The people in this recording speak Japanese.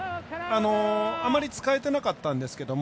あまり使えてなかったんですけど